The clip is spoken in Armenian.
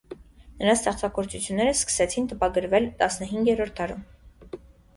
Նրա ստեղծագործությունները սկսեցին տպագրվել տասնհինգերորդ դարում։